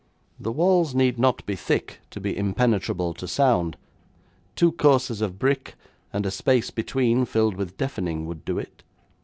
'The walls need not be thick to be impenetrable to sound. Two courses of brick, and a space between filled with deafening would do it.